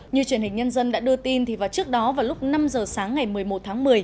như truyền hình nhân dân đã đưa tin vào trước đó vào lúc năm giờ sáng ngày một mươi một tháng một mươi